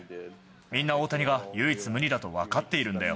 みんな大谷が唯一無二だと分かっているんだよ。